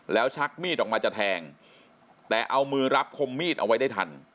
แล้วชักมีดออกมาจะแทงแต่เอามือรับคมมีดเอาไว้ได้ทัน